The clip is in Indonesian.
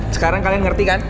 sekarang kalian ngerti kan